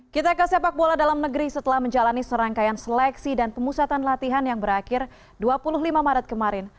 kita ke sepak bola dalam negeri setelah menjalani serangkaian seleksi dan pemusatan latihan yang berakhir dua puluh lima maret kemarin